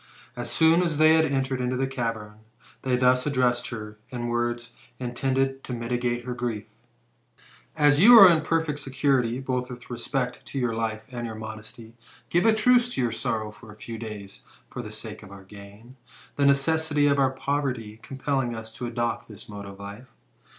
As soon as they had entered into the cavern, they thus addressed her, in words intended to mitigate her grief :" As you are in perfect security, both with respect to your life and your modesty, give a truce to your sorrow for a few days, for the sake of our gain, the necessity of poverty compelling us to adopt this mode of life.